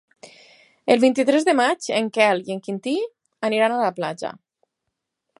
El vint-i-tres de maig en Quel i en Quintí iran a la platja.